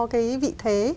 cái vị thế